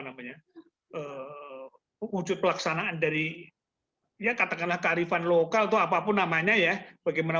namanya wujud pelaksanaan dari ya katakanlah kearifan lokal itu apapun namanya ya bagaimana